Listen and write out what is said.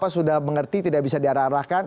sudah mengerti tidak bisa diarah arahkan